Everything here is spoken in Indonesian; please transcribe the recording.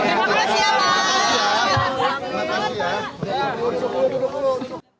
terima kasih pak